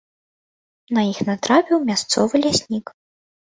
На іх натрапіў мясцовы ляснік.